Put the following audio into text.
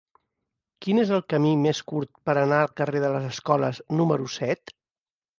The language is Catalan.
Quin és el camí més curt per anar al carrer de les Escoles número set?